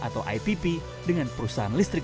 atau ipp dengan perusahaan listrik